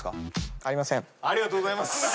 ありがとうございます。